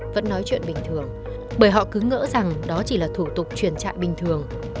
vẫn nói chuyện bình thường bởi họ cứ ngỡ rằng đó chỉ là thủ tục truyền trại bình thường